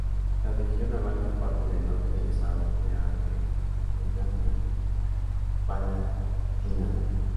La región abarca parte del norte del estado federado de Renania-Palatinado.